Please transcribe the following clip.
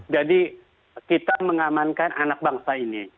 jadi kita mengamankan anak bangsa ini